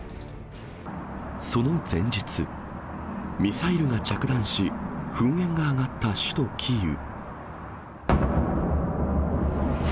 その前日、ミサイルが着弾し、噴煙が上がった首都キーウ。